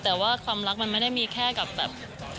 แต่ว่าความรักมันไม่ได้มีแค่กับแบบ